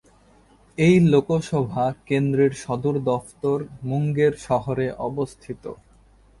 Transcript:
এই লোকসভা কেন্দ্রের সদর দফতর মুঙ্গের শহরে অবস্থিত।